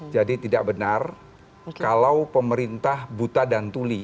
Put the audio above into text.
jadi tidak benar kalau pemerintah buta dan tuli